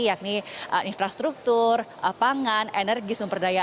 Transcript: yakni infrastruktur pangan energi sumber daya